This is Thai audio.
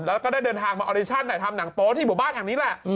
แล้วก็ได้เดินทางมาออดิชั่นทำหนังโป๊ที่หมู่บ้านแห่งนี้แหละ